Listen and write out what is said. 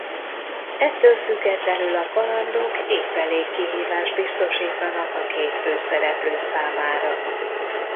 Ettől függetlenül a kalandok épp elég kihívást biztosítanak a két főszereplő számára.